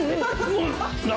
もう。